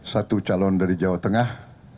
satu calon dari jawa tengah